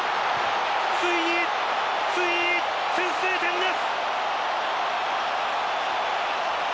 ついについに先制点です。